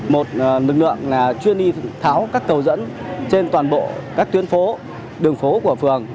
một lực lượng chuyên đi tháo các cầu dẫn trên toàn bộ các tuyến phố đường phố của phường